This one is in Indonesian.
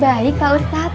baik pak ustadz